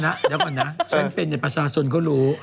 เดี๋ยวนะฉันเป็นประสาทสนเขารู้